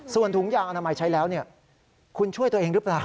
ส่วนถุงยางอนามัยใช้แล้วคุณช่วยตัวเองหรือเปล่า